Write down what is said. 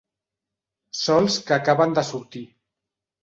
Sols que acaben de sortir.